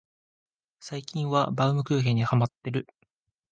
最近はバウムクーヘンにハマってる